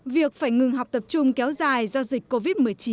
việc phải ngừng học tập trung kéo dài do dịch covid một mươi chín